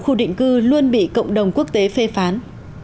khu định cư luôn bị cộng đồng quốc tế phê phán